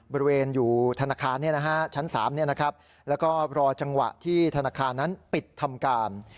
บริเวณอยู่ธนาคารชั้น๓แล้วก็รอจังหวะที่ธนาคารนั้นปิดทำการ